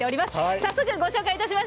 早速、ご紹介します。